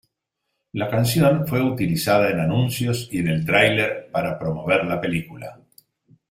La canción fue utilizada en anuncios y en el tráiler para promover la película.